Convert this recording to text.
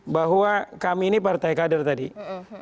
bahwa kami ini partai keadilan sejahtera